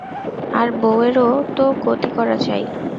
আর বউয়েরও তো গতি করা চাই।